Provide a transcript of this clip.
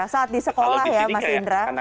saat di sekolah ya mas indra